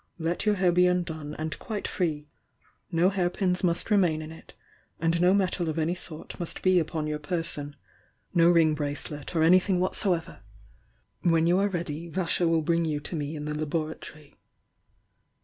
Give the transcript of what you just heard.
Let your hair be undone and quite free — no hairpins must remain in it, and no metal of any sort must be upon your person, — no ring bracelet, or anything whatsoever. When you are ready, Vasho will bring you to me in the laboratory."